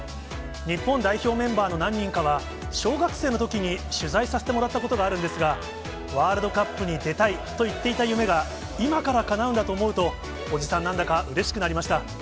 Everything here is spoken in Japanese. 日本代表メンバーの何人かは、小学生のときに取材させてもらったことがあるんですが、ワールドカップに出たいと言っていた夢が、今からかなうんだと思うと、おじさん、なんだかうれしくなりました。